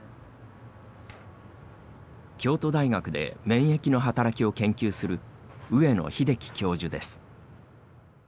京都大学で免疫の働きを研究する上野英樹教授です。